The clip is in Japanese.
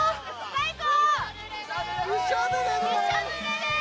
最高！